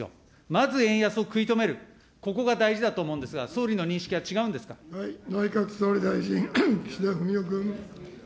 まず円安を食い止める、ここが大事だと思うんですが、総理の認識内閣総理大臣、岸田文雄君。